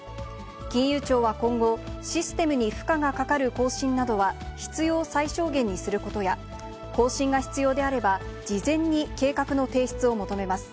金融庁は今後、システムに負荷がかかる更新などは必要最小限にすることや、更新が必要であれば、事前に計画の提出を求めます。